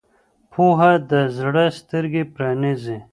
پوهه د زړه سترګې پرانیزي.